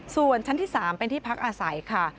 ส่วนชั้นที่๓เป็นที่พักอาศัยค่ะ